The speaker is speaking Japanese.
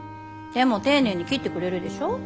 でも丁寧に切ってくれるでしょ？